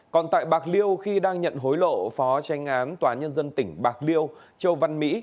còn tại bạc liêu khi đang nhận hối lộ phó tranh án tòa nhân dân tỉnh bạc liêu châu văn mỹ